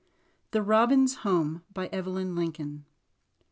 THE ROBINS' HOME. BY EVELYN LINCOLN.